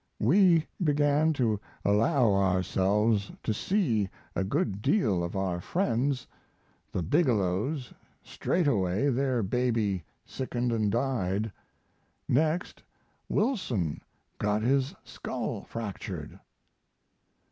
We began to allow ourselves to see a good deal of our friends, the Bigelows straightway their baby sickened & died. Next Wilson got his skull fractured.